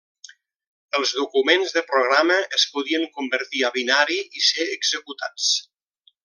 Els documents de programa es podien convertir a binari i ser executats.